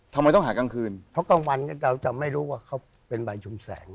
ทำไมต้องหากลางคืนเพราะกลางวันเนี่ยเราจะไม่รู้ว่าเขาเป็นใบชุมแสง